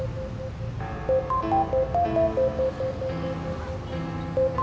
sampai jumpa di video selanjutnya